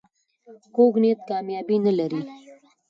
کوږ نیت کامیابي نه لري